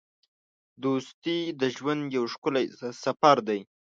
دوستي د ژوند یو ښکلی سفر دی.